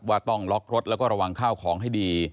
ว่าต้องล็อกรถแล้วก็ระวังข้าวของให้ดี